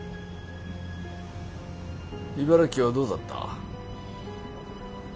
茨城はどうだった。